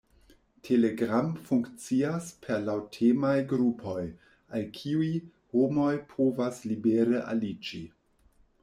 Telegram funkcias per laŭtemaj grupoj, al kiuj homoj povas libere aliĝi.